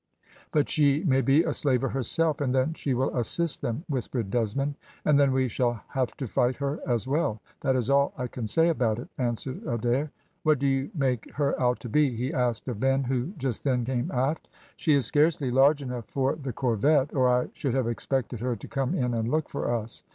"But she may be a slaver herself, and then she will assist them," whispered Desmond. "And then we shall have to fight her as well, that is all I can say about it," answered Adair. "What do you make her out to be?" he asked of Ben, who just then came aft. "She is scarcely large enough for the corvette, or I should have expected her to come in and look for us.